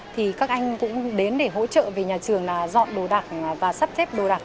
thì các anh cũng đến để hỗ trợ về nhà trường là dọn đồ đạc và sắp xếp đồ đạc